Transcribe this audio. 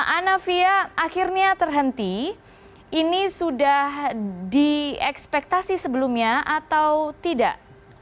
anavia akhirnya terhenti ini sudah diekspektasi sebelumnya atau tidak